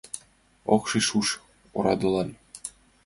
Ок шич уш орадылан.